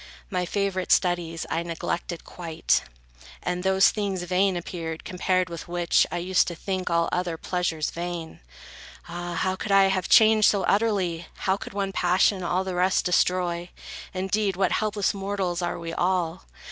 My favorite studies I neglected quite; And those things vain appeared, compared with which, I used to think all other pleasures vain. Ah! how could I have changed so utterly? How could one passion all the rest destroy? Indeed, what helpless mortals are we all!